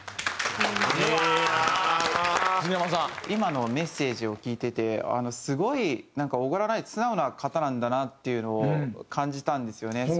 今のメッセージを聞いててすごいなんかおごらない素直な方なんだなっていうのを感じたんですよね。